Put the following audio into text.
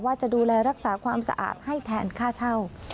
ว่าจะดูแลรักษาความสะอาดให้แทนค่าเช่า